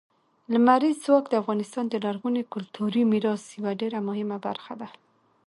لمریز ځواک د افغانستان د لرغوني کلتوري میراث یوه ډېره مهمه برخه ده.